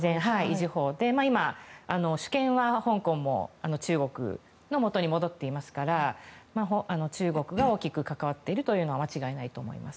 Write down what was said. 今、主権は香港も中国のもとに戻っていますから中国が大きく関わっているのは間違いないと思います。